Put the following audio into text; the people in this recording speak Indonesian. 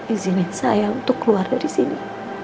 izinin saya untuk keluar dari sini